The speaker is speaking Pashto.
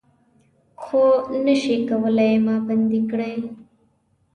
خو نه شئ کولای ما بندۍ کړي